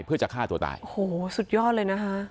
เพื่อจะฆ่าตัวตายโอ้โหสุดยอดเลยนะคะ